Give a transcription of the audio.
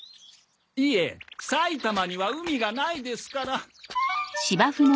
いえ埼玉には海がないですから。